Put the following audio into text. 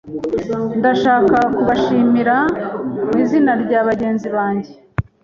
Ndashaka kubashimira mu izina rya bagenzi banjye.